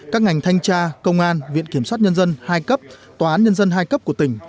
các ngành thanh tra công an viện kiểm soát nhân dân hai cấp tòa án nhân dân hai cấp của tỉnh